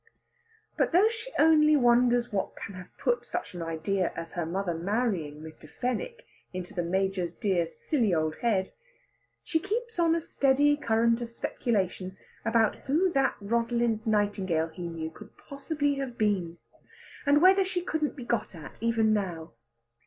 But though she only wonders what can have put such an idea as her mother marrying Mr. Fenwick in the Major's dear silly old head, she keeps on a steady current of speculation about who that Rosalind Nightingale he knew could possibly have been; and whether she couldn't be got at even now.